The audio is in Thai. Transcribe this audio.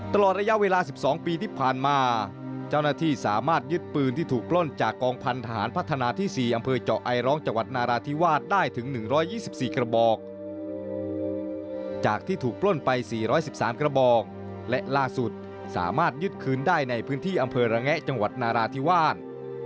กระบอกจากที่ถูกปล้นไป๔๑๓กระบอกและล่าสุดสามารถยึดคืนได้ในพื้นที่อำเภอระแงะจังหวัดนาราธิวาส